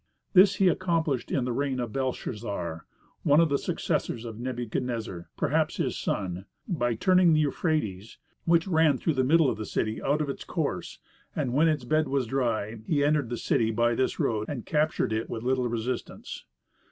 This he accomplished in the reign of Belshazzar, one of the successors of Nebuchadnezzar, perhaps his son, by turning the Euphrates, which ran through the middle of the city, out of its course; and when its bed was dry he entered the city by this road and captured it with little resistance.